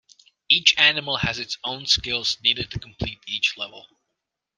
Each animal has its own skills needed to complete each level.